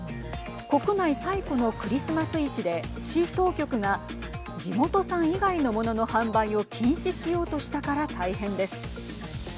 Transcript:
国内最古のクリスマス市で市当局が地元産以外の物の販売を禁止しようとしたから大変です。